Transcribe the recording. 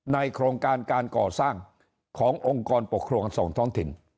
โครงการการก่อสร้างขององค์กรปกครองส่งท้องถิ่น